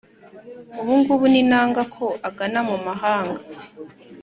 Ubu ngubu ninanga Ko agana mu mahanga